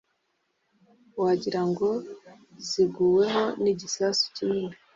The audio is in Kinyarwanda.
Wagira ngo ziguweho n igisasu kinini